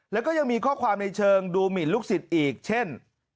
แล้วก็ยังมีข้อความในเชิงดูหมินลูกศิษย์อีกเช่น